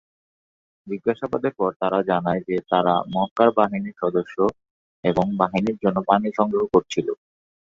জিজ্ঞাসাবাদের পর তারা জানায় যে তারা মক্কার বাহিনীর সদস্য এবং বাহিনীর জন্য পানি সংগ্রহ করছিল।